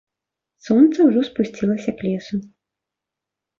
Сонца ўжо спусцілася к лесу.